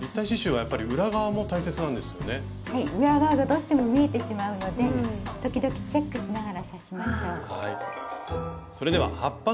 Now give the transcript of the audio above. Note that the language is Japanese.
はい裏側がどうしても見えてしまうので時々チェックしながら刺しましょう。